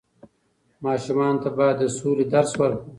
ماشومانو ته بايد د سولې درس ورکړو.